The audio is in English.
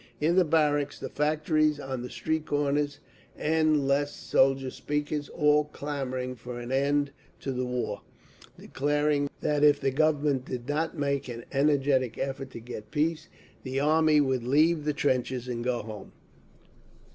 In the barracks, the factories, on the street corners, end less soldier speakers, all clamouring for an end to the war, declaring that if the Government did not make an energetic effort to get peace, the army would leave the trenches and go home.